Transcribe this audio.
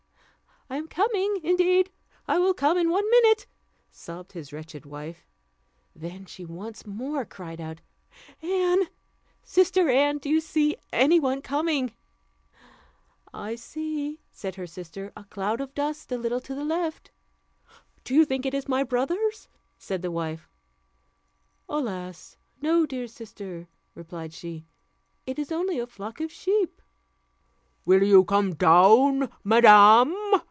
"I am coming; indeed I will come in one minute," sobbed his wretched wife. Then she once more cried out, "Anne! sister Anne! do you see any one coming?" "I see," said her sister, "a cloud of dust a little to the left." "Do you think it is my brothers?" said the wife. "Alas! no, dear sister," replied she, "it is only a flock of sheep." "Will you come down, madam?"